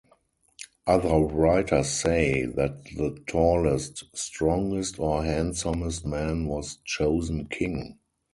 Other writers say that the tallest, strongest, or handsomest man was chosen king.